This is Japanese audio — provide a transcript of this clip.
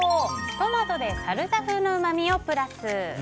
トマトでサルサ風のうまみをプラス。